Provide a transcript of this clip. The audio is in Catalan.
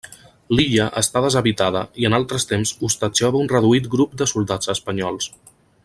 L'illa està deshabitada i en altres temps hostatjava un reduït grup de soldats espanyols.